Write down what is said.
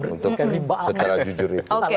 untuk secara jujur itu